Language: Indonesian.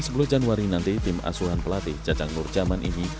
rencananya sepuluh januari nanti tim asuhan pelatih jajang nur zaman ini